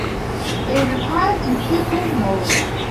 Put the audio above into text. It requires infrequent mowing.